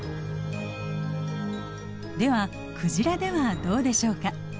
ではクジラではどうでしょうか。